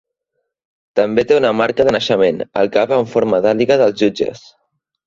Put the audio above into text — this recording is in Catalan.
També té una marca de naixement al cap en forma d'àguila dels jutges.